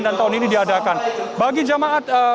dan tahun ini diadakan bagi jemaah